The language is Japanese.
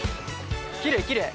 きれいきれい。